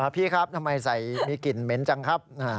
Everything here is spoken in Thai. พี่ครับทำไมใส่มีกลิ่นเหม็นจังครับ